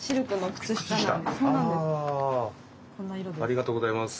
ありがとうございます。